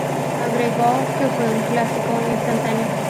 Agregó que fue un "clásico instantáneo".